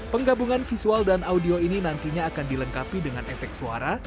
penggabungan visual dan audio ini nantinya akan dilengkapi dengan efek suara